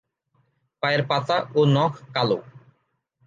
পায়ের পাতা ও নখ কালো।